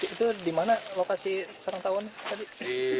itu di mana lokasi sarang tawon tadi